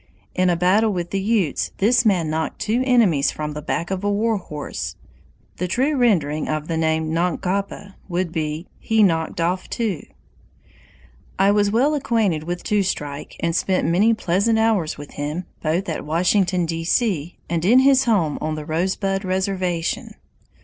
In a battle with the Utes this man knocked two enemies from the back of a war horse. The true rendering of the name Nomkahpa would be, "He knocked off two." I was well acquainted with Two Strike and spent many pleasant hours with him, both at Washington, D. C., and in his home on the Rosebud reservation.